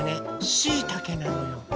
しいたけなのよ。